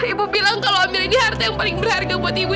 ibu bilang kalau ambil ini harta yang paling berharga buat ibu